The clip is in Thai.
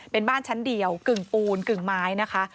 เป็นบ้านชั้นเดียวกึ่งปูนกึ่งไม้นะคะ